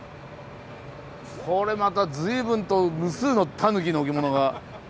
これまた随分と無数のタヌキの置物が。